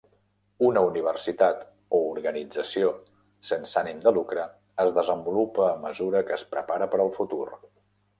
Una universitat o organització sense ànim de lucre es desenvolupa a mesura que es prepara per al futur.